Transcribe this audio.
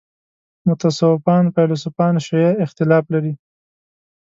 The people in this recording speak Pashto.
متصوفان فیلسوفان شیعه اختلاف لري.